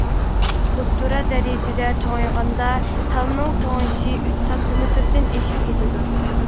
ئوتتۇرا دەرىجىدە چوڭايغاندا تالنىڭ چوڭىيىشى ئۈچ سانتىمېتىردىن ئېشىپ كېتىدۇ.